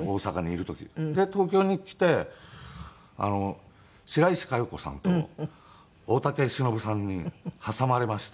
で東京に来て白石加代子さんと大竹しのぶさんに挟まれまして。